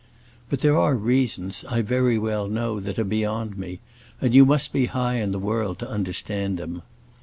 But there are reasons, I very well know, that are beyond me, and you must be high in the world to understand them.